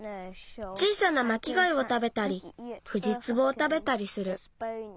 小さなまきがいをたべたりフジツボをたべたりする。